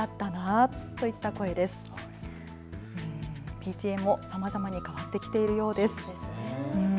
ＰＴＡもさまざまに変わってきているようです。